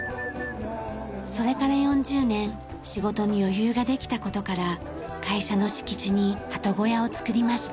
それから４０年仕事に余裕ができた事から会社の敷地に鳩小屋を作りました。